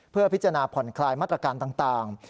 เพื่อพิจารณาผ่อนคลายมาตรการต่าง